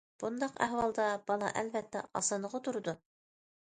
بۇنداق ئەھۋالدا بالا ئەلۋەتتە ئاسىنىغا تۇرىدۇ.